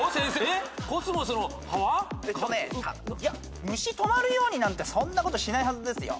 えっとね虫止まるようになんてそんなことしないはずですよ。